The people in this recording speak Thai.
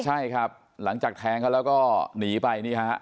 ใช่ครับหลังจากแทงเขาแล้วก็หนีไปนี่ฮะ